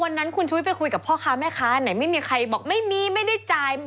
วันนั้นคุณชุวิตไปคุยกับพ่อค้าแม่ค้าไหนไม่มีใครบอกไม่มีไม่ได้จ่าย